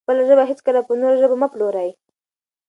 خپله ژبه هېڅکله په نورو ژبو مه پلورئ.